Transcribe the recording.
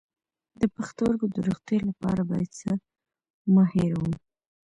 د پښتورګو د روغتیا لپاره باید څه مه هیروم؟